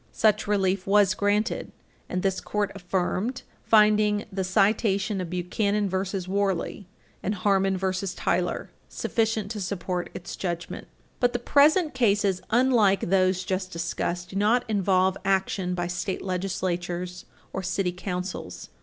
Such relief was granted, and this Court affirmed, finding the citation of Buchanan v. Warley, supra, and Harmon v. Tyler, supra, sufficient to support its judgment. [Footnote 11] But the present cases, unlike those just discussed, do not involve action by state legislatures or city councils. Page 334 U. S.